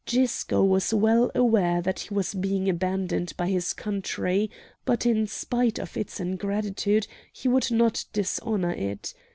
Gisco was well aware that he was being abandoned by his country; but in spite of its ingratitude he would not dishonour it.